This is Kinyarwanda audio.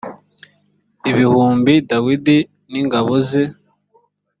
ibihumbi dawidi n ingabo ze